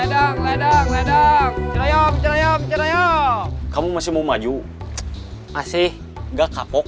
ledang ledang ledang cirebon cirebon cirebon kamu masih mau maju masih gak kapok